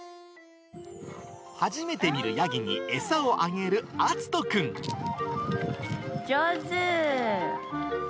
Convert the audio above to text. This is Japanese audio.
初めて見るヤギに、上手。